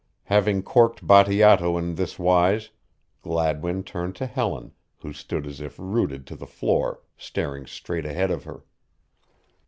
Having corked Bateato in this wise, Gladwin turned to Helen, who stood as if rooted to the floor, staring straight ahead of her.